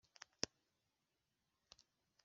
iryo ushongoje ndigushimire,